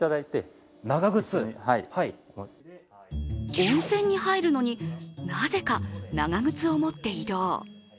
温泉に入るのに、なぜか長靴を持って移動。